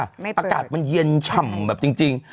อากาศมันเย็นฉ่ำแบบจริง